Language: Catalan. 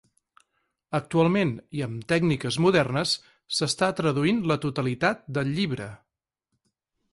Actualment, i amb tècniques modernes, s'està traduint la totalitat del llibre.